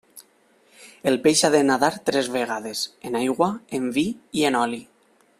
El peix ha de nadar tres vegades: en aigua, en vi i en oli.